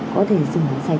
có thể sửa sạch